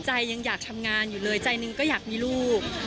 ยังอยากทำงานอยู่เลยใจหนึ่งก็อยากมีลูก